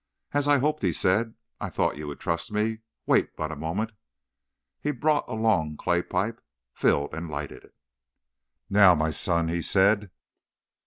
"As I hoped," he said. "I thought you would trust me. Wait but a moment." He brought a long clay pipe, filled and lighted it. "Now, my son," he said.